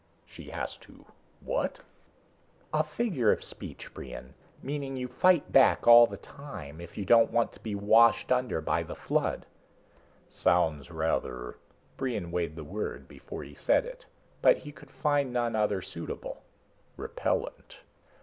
"She has to what?" "A figure of speech, Brion. Meaning you fight back all the time, if you don't want to be washed under by the flood." "Sounds rather" Brion weighed the word before he said it, but could find none other suitable "repellent."